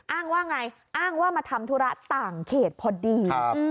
อ้างว่าไงอ้างว่ามาทำธุระต่างเขตพอดี